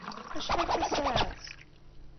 Acḥal tasaɛet?